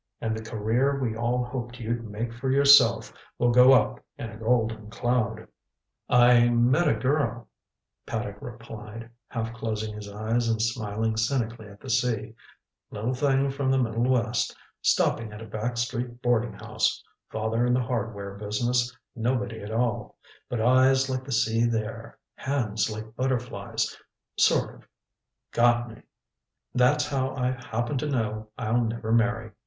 And the career we all hoped you'd make for yourself will go up in a golden cloud." "I met a girl," Paddock replied, half closing his eyes and smiling cynically at the sea "little thing from the Middle West, stopping at a back street boarding house father in the hardware business, nobody at all but eyes like the sea there, hands like butterflies sort of got me That's how I happen to know I'll never marry.